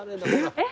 えっ？